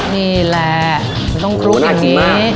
นี่แหละไม่ต้องกรุ๊ปอย่างนี้